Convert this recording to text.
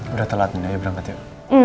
udah telat nih ayo berangkat yuk